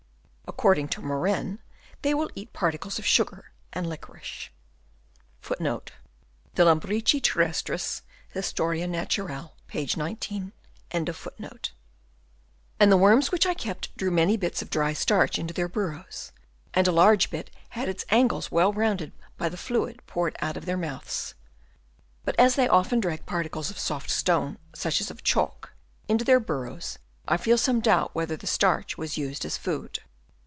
According to Morren * they will eat particles of sugar and liquorice ; and the worms which I kept drew many bits of dry starch into their burrows, and a large bit had its angles well rounded by the fluid poured out of their mouths. But as they often drag particles of soft stone, such as of chalk, into their burrows, I feel some doubt whether the starch was used as food.